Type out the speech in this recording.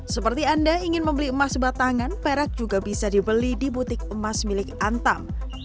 seperti anda ingin membeli emas batangan perak juga bisa dibeli di butik emas milik antam